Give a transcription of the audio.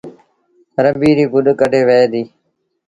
رنبيٚ ريٚ گڏ ڪڍيٚ وهي ديٚ